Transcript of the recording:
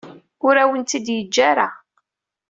Ur awen-tent-id-yeǧǧa ara.